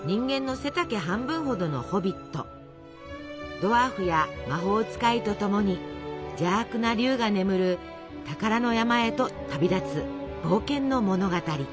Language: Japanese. ドワーフや魔法使いとともに邪悪な竜が眠る宝の山へと旅立つ冒険の物語。